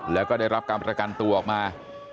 แล้วก็ได้รับการประกันตัวออกมา